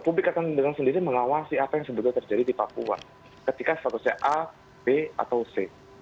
publik akan dengan sendiri mengawasi apa yang sebetulnya terjadi di papua ketika statusnya a b atau c